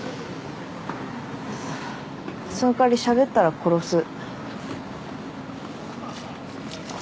そのかわりしゃべったら殺す。